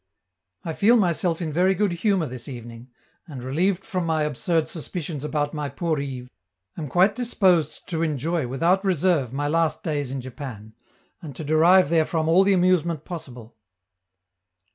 I feel myself in very good humor this evening, and, relieved from my absurd suspicions about my poor Yves, am quite disposed to enjoy without reserve my last days in Japan, and to derive therefrom all the amusement possible.